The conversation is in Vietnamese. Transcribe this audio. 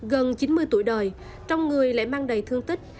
gần chín mươi tuổi đời trong người lại mang đầy thương tích